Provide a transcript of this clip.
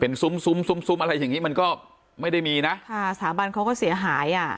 ซุ้มซุ้มซุ้มซุ้มอะไรอย่างงี้มันก็ไม่ได้มีนะค่ะสถาบันเขาก็เสียหายอ่ะ